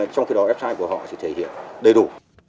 trong khi đó f hai của họ thì thể hiện đầy đủ